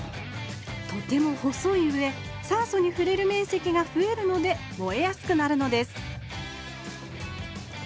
とても細いうえ酸素にふれるめんせきがふえるので燃えやすくなるのです